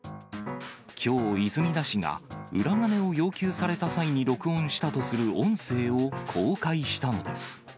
きょう、泉田氏が裏金を要求された際に録音したとする音声を公開したのです。